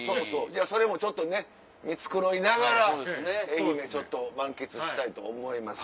それもちょっとね見繕いながら愛媛ちょっと満喫したいと思います。